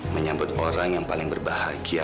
menyambut orang yang paling berbahagia